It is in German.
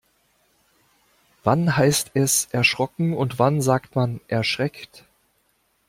Wann heißt es erschrocken und wann sagt man erschreckt?